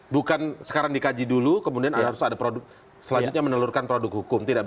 bukan sekarang dikaji dulu kemudian harus ada produk selanjutnya menelurkan produk hukum